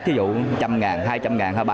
ví dụ một trăm linh ngàn hai trăm linh ngàn